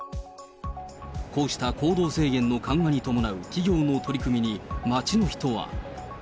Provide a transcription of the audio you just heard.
こうした行動制限の緩和に伴う企業の取り組みに街の人は。